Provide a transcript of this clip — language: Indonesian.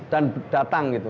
dan datang gitu